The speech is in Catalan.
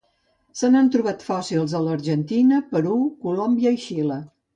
Se n'han trobat fòssils a l'Argentina, Perú, Colòmbia i Xile.